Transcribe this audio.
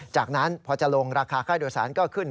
จากนั้นพอจะลงราคาค่าโดยสารก็ขึ้น